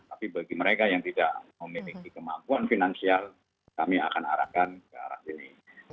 tapi bagi mereka yang tidak memiliki kemampuan finansial kami akan arahkan ke arah sini